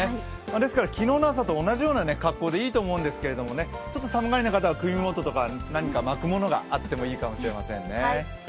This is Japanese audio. ですから、昨日の朝と同じような格好でいいと思うんですけれども、ちょっと寒がりな方は首元とか何か巻くものがあってもいいかもしれませんね。